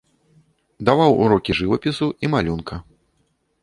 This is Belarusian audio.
Даваў урокі жывапісу і малюнка.